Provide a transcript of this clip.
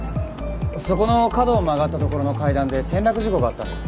そこの角を曲がった所の階段で転落事故があったんです。